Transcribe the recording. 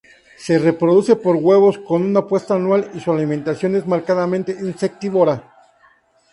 Se reproduce por huevos, con una puesta anual, y su alimentación es marcadamente insectívora.